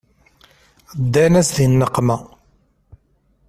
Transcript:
Ddan-as di nneqma.